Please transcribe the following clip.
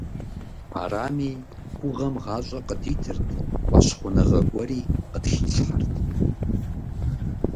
Арами, гугъэм гъащӀэ къыдитырт, фӀэщхъуныгъэ гуэри къытхилъхьэрт.